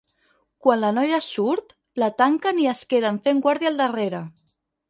Quan la noia surt, la tanquen i es queden fent guàrdia al darrere.